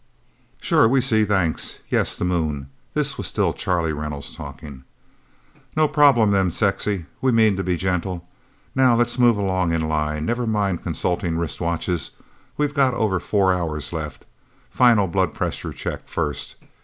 "Sure we see thanks. Yes the Moon." This was still Charlie Reynolds talking. "No problem, then, Sexy. We mean to be gentle. Now let's move along, in line. Never mind consulting wristwatches we've got over four hours left. Final blood pressure check, first.